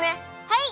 はい！